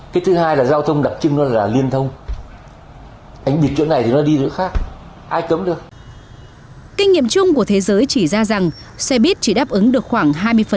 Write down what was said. kinh nghiệm chung của thế giới chỉ ra rằng xe buýt chỉ đáp ứng được khoảng hai mươi